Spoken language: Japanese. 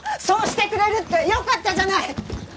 そうしてくれるってよかったじゃない！